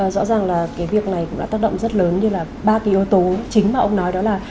rõ ràng là cái việc này cũng đã tác động rất lớn như là ba cái yếu tố chính mà ông nói đó là